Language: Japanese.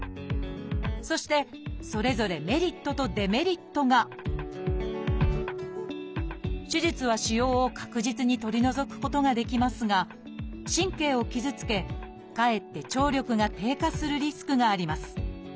そしてそれぞれメリットとデメリットが手術は腫瘍を確実に取り除くことができますが神経を傷つけかえって聴力が低下するリスクがあります。